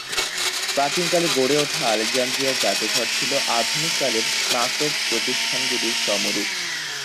প্রাচীনকালে গড়ে ওঠা আলেকজান্দ্রিয়ার জাদুঘর ছিল আধুনিককালের স্নাতক প্রতিষ্ঠানগুলির সমরূপ।